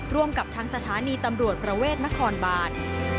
ร่วมกับทางสถานีตำรวจประเวทนครบาน